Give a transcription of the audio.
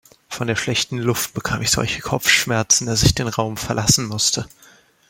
Von der schlechten Luft bekam ich solche Kopfschmerzen, dass ich den Raum verlassen musste.